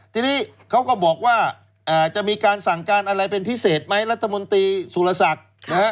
ทีนี้เขาก็บอกว่าจะมีการสั่งการอะไรเป็นพิเศษไหมรัฐมนตรีสุรศักดิ์